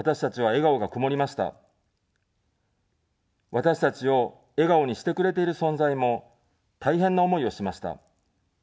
私たちを笑顔にしてくれている存在も大変な思いをしました。